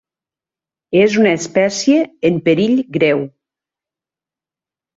És una espècie en perill greu.